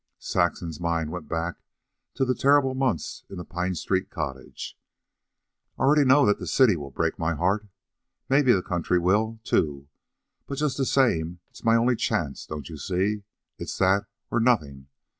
Saxon's mind went back to the terrible months in the Pine street cottage. "I know already that the city will break my heart. Maybe the country will, too, but just the same it's my only chance, don't you see. It's that or nothing.